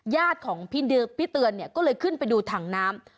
ญาติของพี่เตือนเนี่ยก็เลยขึ้นไปดูถังน้ำ